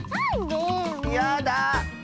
やだ！